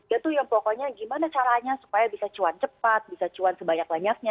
itu yang pokoknya gimana caranya supaya bisa cuan cepat bisa cuan sebanyak banyaknya